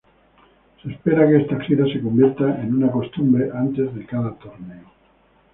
Se espera que esta gira se convierta en una costumbre antes de cada torneo.